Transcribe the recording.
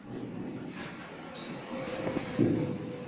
皕宋楼已被浙江省人民政府列为浙江省省级文物保护单位。